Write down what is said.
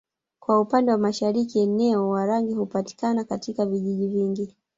Kwa upande wa mashariki eneo Warangi hupatika katika vijiji vingi